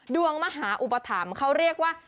ดวงมหาอุปถามเขาเรียกว่า